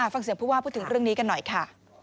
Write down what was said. ฟังเสียงผู้ว่าพูดถึงเรื่องนี้กันหน่อยค่ะ